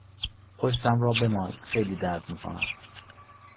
پشتم را بمال خیلی درد میکند.